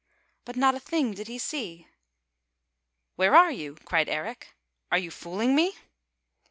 But not a thing did he see! " Where are you? " cried Eric. " Are you fooling me?